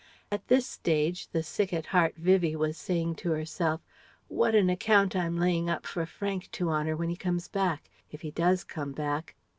(At this stage the sick at heart Vivie was saying to herself, "What an account I'm laying up for Frank to honour when he comes back if he does come back.")